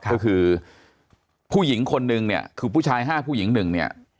ก็คือผู้หญิงคนหนึ่งเนี้ยคือผู้ชายห้าผู้หญิงหนึ่งเนี้ย